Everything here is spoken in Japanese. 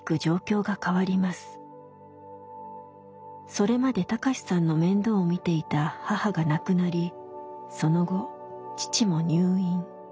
それまで貴志さんの面倒を見ていた母が亡くなりその後父も入院。